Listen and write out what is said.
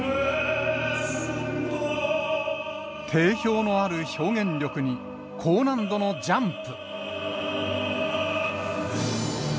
定評のある表現力に、高難度のジャンプ。